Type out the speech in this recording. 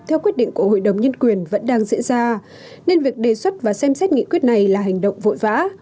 theo quyết định của hội đồng nhân quyền vẫn đang diễn ra nên việc đề xuất và xem xét nghị quyết này là hành động vội vã